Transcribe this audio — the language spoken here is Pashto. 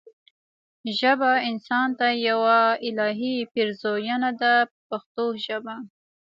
ژبه انسان ته یوه الهي پیرزوینه ده په پښتو ژبه.